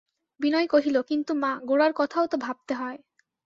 বিনয় কহিল, কিন্তু মা, গোরার কথাও তো ভাবতে হয়।